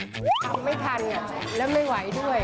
ทำไม่ทันแล้วไม่ไหวด้วย